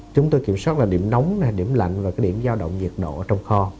chúng tôi kiểm soát là điểm nóng điểm lạnh và cái điểm giao động nhiệt độ trong kho